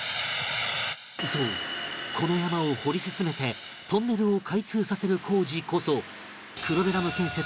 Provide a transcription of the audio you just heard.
そうこの山を掘り進めてトンネルを開通させる工事こそ黒部ダム建設